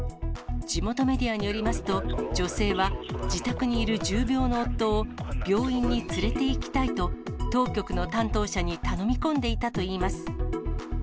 地元メディアによりますと、女性は、自宅にいる重病の夫を、病院に連れていきたいと、当局の担当者に頼み込んでいたといいます。